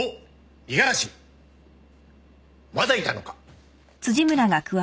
「まだいたのか」